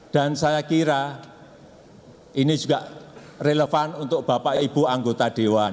dan saya kira ini juga relevan untuk bapak ibu anggota dewan